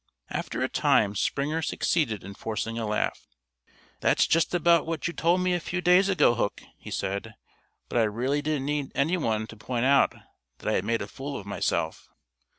After a time Springer succeeded in forcing a laugh. "That's just about what you told me a few days ago, Hook," he said, "but I really didn't need anyone to point out that I had made a fool of myself.